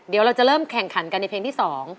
เดี๋ยวเราจะเริ่มแข่งขันกันในเพลงที่๒